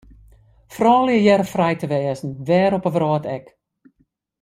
Froulju hearre frij te wêze, wêr op 'e wrâld ek.